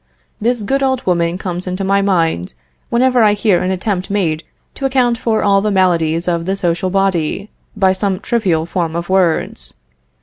This good old woman comes into my mind, whenever I hear an attempt made to account for all the maladies of the social body, by some trivial form of words.